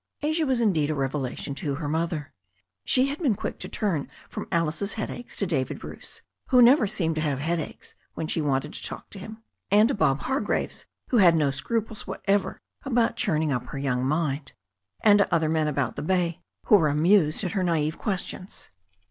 Asia was indeed a revelation to her mother. She had been quick to turn from Alice's headaches to David Bruce, who never seemed to have headaches when she wanted to talk to him, and to Bob Hargraves, who had no scruples whatever about churning up her young mind, and to other men about the bay, who were amused at her naive questions.